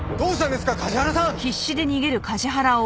梶原さん！